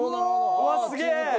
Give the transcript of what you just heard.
うわっすげえ！